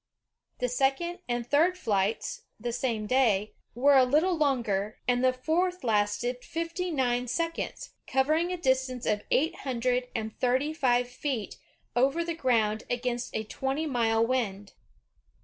The second and third ORVILLE AND WILBUR WRIGHT 259 fl^hts (the same day) were a little longer, and the fourth lasted fifty nine seconds, covering a distance of eight hundred and thirty five feet over the ground against a twenty mile wind."